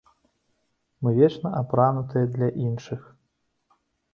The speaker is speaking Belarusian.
Мы вечна апранутыя для іншых.